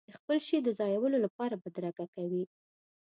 د خپل شي د ځایولو لپاره بدرګه کوي.